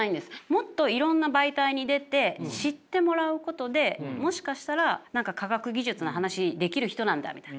もっといろんな媒体に出て知ってもらうことでもしかしたら何か科学技術の話できる人なんだみたいな。